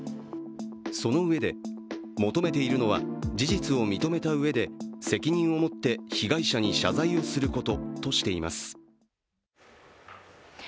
そのうえで、求めているのは事実を認めたうえで責任を持って被害者に謝罪をすることとしています。